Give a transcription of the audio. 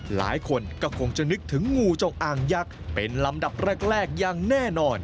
หลายคนก็คงจะนึกถึงงูจงอางยักษ์เป็นลำดับแรกอย่างแน่นอน